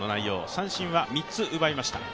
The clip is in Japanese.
三振は３つ奪いました。